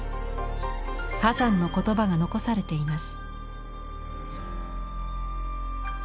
波山の言葉が残されています。